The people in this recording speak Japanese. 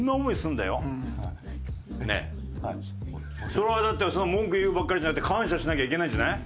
それはだって文句言うばっかりじゃなくて感謝しなきゃいけないんじゃない？